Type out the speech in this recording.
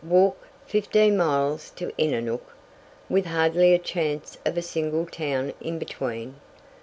Walk! Fifteen miles to Innernook! With hardly a chance of a single town in between!